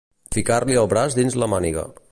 Ficar-li el braç dins la màniga.